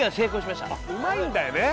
うまいんだよね